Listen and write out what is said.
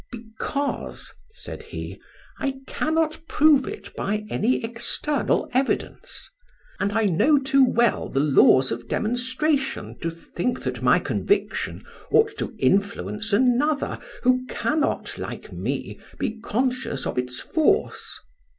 "'Because,' said he, 'I cannot prove it by any external evidence; and I know too well the laws of demonstration to think that my conviction ought to influence another, who cannot, like me, be conscious of its force.